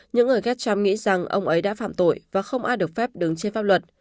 những người ghétcham nghĩ rằng ông ấy đã phạm tội và không ai được phép đứng trên pháp luật